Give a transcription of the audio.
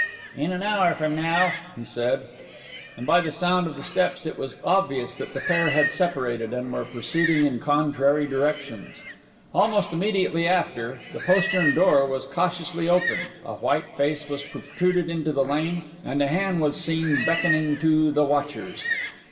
"In an hour from now," he said. And by the sound of the steps it was obvious that the pair had separated, and were proceeding in contrary directions. Almost immediately after the postern door was cautiously opened, a white face was protruded into the lane, and a hand was seen beckoning to the watchers.